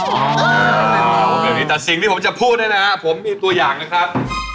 ช่างเท่าไม่ดีแต่สิ่งที่ผมจะพูดนะผมมีตัวอย่างนะครับ